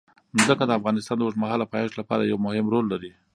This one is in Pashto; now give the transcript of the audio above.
ځمکه د افغانستان د اوږدمهاله پایښت لپاره یو مهم رول لري.